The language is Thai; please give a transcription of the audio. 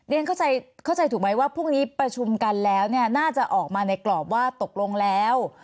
เข้าใจเข้าใจถูกไหมว่าพรุ่งนี้ประชุมกันแล้วเนี่ยน่าจะออกมาในกรอบว่าตกลงแล้ว